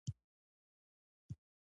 شتمني به یې ضبط کړه.